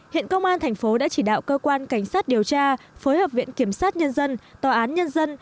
hiện công an thành phố đã chỉ đạo cơ quan cảnh sát điều tra phối hợp viện kiểm sát nhân dân tòa án nhân dân